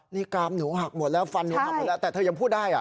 นี่กรามหนูหักหมดแล้วฟันหนูหักหมดแล้วแต่เธอยังพูดได้